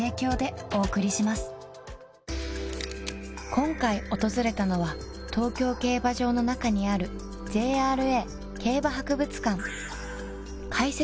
今回訪れたのは東京競馬場の中にあるＪＲＡ競馬博物館開設